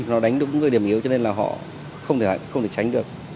nó đánh đúng cái điểm yếu cho nên là họ không thể tránh được